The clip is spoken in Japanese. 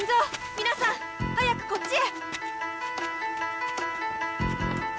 皆さん早くこっちへ！